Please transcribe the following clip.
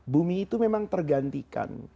bumi itu memang tergantikan